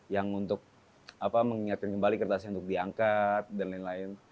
yang untuk mengingatkan kembali kertasnya untuk diangkat dan lain lain